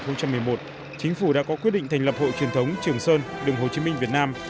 năm hai nghìn một mươi một chính phủ đã có quyết định thành lập hội truyền thống trường sơn đường hồ chí minh việt nam